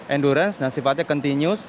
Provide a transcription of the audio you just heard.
endurance dan sifatnya kontinus